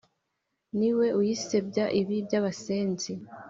Ni we uyisebya ibi by'abasenzi